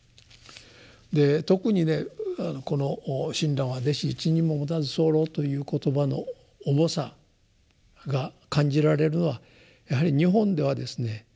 特にねこの「親鸞は弟子一人ももたずさふらふ」という言葉の重さが感じられるのはやはり日本ではですね